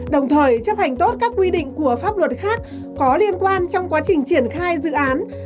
đồng thời chấp hành tốt các quy định của pháp luật khác có liên quan trong quá trình triển khai dự án